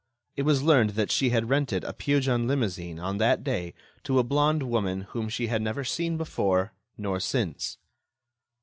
It was learned that she had rented a Peugeon limousine on that day to a blonde woman whom she had never seen before nor since.